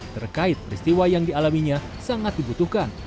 terkait peristiwa yang dialaminya sangat dibutuhkan